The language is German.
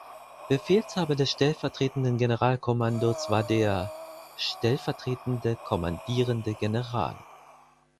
Befehlshaber des Stellvertretenden Generalkommandos war der "Stellvertretende Kommandierende General".